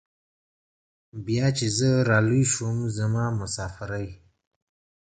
بيا چې زه رالوى سوم زما مسافرۍ.